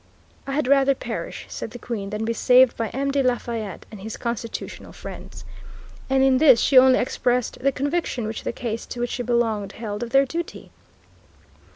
"I had rather perish," said the Queen, "than be saved by M. de Lafayette and his constitutional friends." And in this she only expressed the conviction which the caste to which she belonged held of their duty.